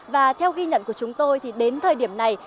và theo ghi nhận của chúng tôi thì đến thời điểm này